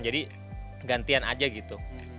jadi gantian aja gitu